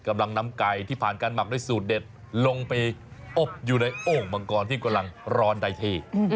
กำลังนำไก่ที่ผ่านการหมักด้วยสูตรเด็ดลงไปอบอยู่ในโอ่งมังกรที่กำลังร้อนได้ที